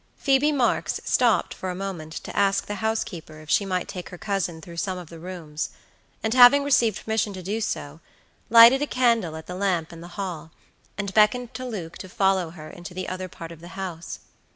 Phoebe Marks stopped for a moment to ask the housekeeper if she might take her cousin through some of the rooms, and having received permission to do so, lighted a candle at the lamp in the hall, and beckoned to Luke to follow her into the other part of the house.